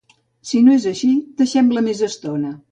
Si no és així, deixem-la més estona.